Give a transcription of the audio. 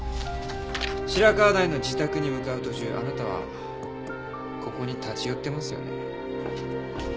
白河台の自宅に向かう途中あなたはここに立ち寄ってますよね。